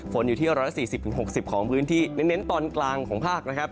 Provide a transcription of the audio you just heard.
ฝนอยู่ที่๑๔๐๖๐ของพื้นที่เน้นตอนกลางของภาคนะครับ